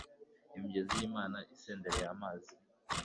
imigezi y'imana isendereye amazi